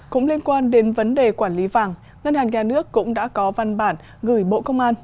cũng liên quan đến vấn đề quản lý vàng ngân hàng nhà nước cũng đã có văn bản gửi bộ công an